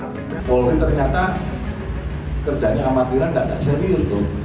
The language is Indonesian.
tapi ternyata kerjanya amatiran tidak serius